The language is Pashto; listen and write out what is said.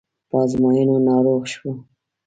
په ازموینو ناروغ شو.